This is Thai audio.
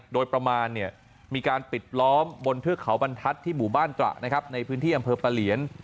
โดยประมาณมีการปิดล้อมบนเทือกเขาบรรทัศน์ที่หมู่บ้านตระนะครับในพื้นที่อำเภอปะเหลียน